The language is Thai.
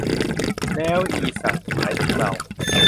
แล้ว 'อีสัตว์' หมายถึงเรา